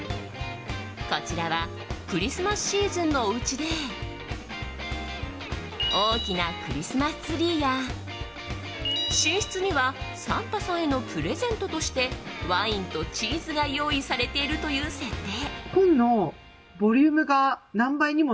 こちらはクリスマスシーズンのおうちで大きなクリスマスツリーや寝室にはサンタさんへのプレゼントとしてワインとチーズが用意されているという設定。